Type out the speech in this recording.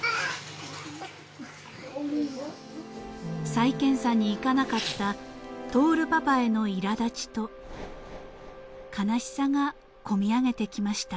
［再検査に行かなかった亨パパへのいら立ちと悲しさが込み上げてきました］